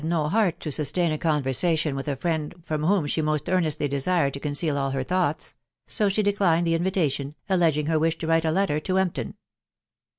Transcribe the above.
no heart to sustain a conversation with a friend from whom she most earnestly desired to conceal all her thoughts— so aha declined the invitation, alleging her wish to write a letter to Empton.